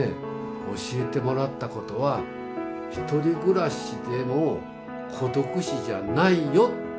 教えてもらったことはひとり暮らしでも孤独死じゃないよ。